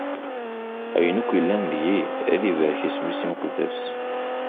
Ayen akk yellan deg-i, ad ibarek yisem-is imqeddes!